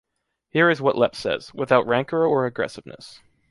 Here is what Léppé says, without rancor or aggressiveness.